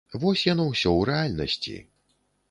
Вось яно усё ў рэальнасці.